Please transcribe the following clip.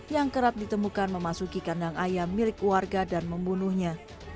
yang kerap ditemukan memasuki kandang ayam milik warga dan membunuhnya